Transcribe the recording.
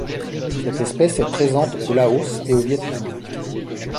Cette espèce est présente au Laos et au Vietnam.